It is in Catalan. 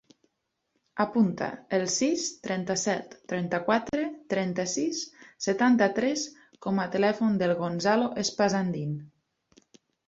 Apunta el sis, trenta-set, trenta-quatre, trenta-sis, setanta-tres com a telèfon del Gonzalo Espasandin.